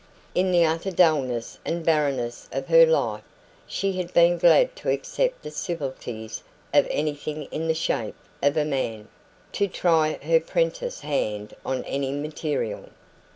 In the utter dullness and barrenness of her life, she had been glad to accept the civilities of anything in the shape of a man to try her 'prentice hand on any material.